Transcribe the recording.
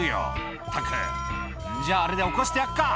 「ったくじゃああれで起こしてやっか」